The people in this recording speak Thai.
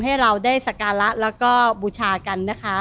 ให้เราได้สการะแล้วก็บูชากันนะคะ